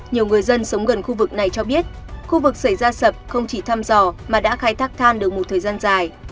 nhiều người dân sống gần khu vực này cho biết khu vực xảy ra sập không chỉ thăm dò mà đã khai thác than được một thời gian dài